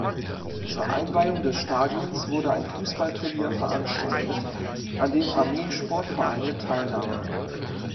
Zur Einweihung des Stadions wurde ein Fußballturnier veranstaltet, an dem Armee-Sportvereine teilnahmen.